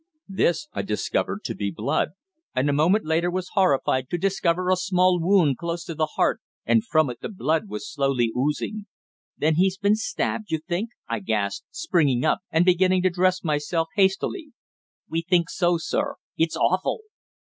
This I discovered to be blood, and a moment later was horrified to discover a small wound close to the heart, and from it the blood was slowly oozing." "Then he's been stabbed, you think?" I gasped, springing up and beginning to dress myself hastily. "We think so, sir. It's awful!"